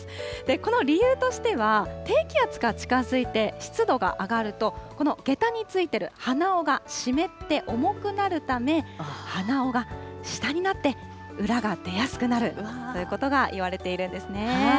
この理由としては低気圧が近づいて湿度が上がると、この下駄に付いている鼻緒が湿って重くなるため、鼻緒が下になって、裏が出やすくなるということがいわれているんですね。